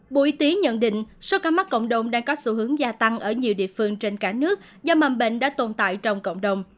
bộ y tế nhận định số ca mắc cộng đồng đang có xu hướng gia tăng ở nhiều địa phương trên cả nước do mầm bệnh đã tồn tại trong cộng đồng